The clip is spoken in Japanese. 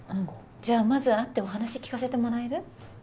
じゃあまず会ってお話聞かせてもらえる？